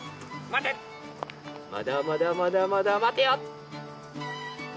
まだまだまだまだ待てよ！